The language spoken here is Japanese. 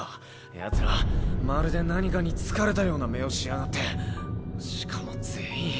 ヤツらまるで何かに憑かれたような目をしやがってしかも全員。